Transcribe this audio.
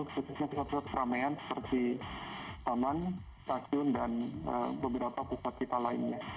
ini penting di beberapa pusat seramaian seperti taman stasiun dan beberapa pusat kita lainnya